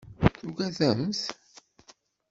Tugademt?